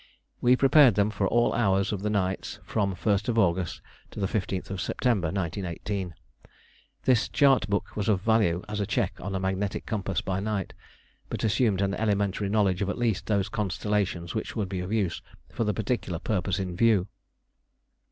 We prepared them for all hours of the nights from the 1st August to the 15th September 1918. This chart book was of value as a check on a magnetic compass by night, but assumed an elementary knowledge of at least those constellations which would be of use for the particular purpose in view.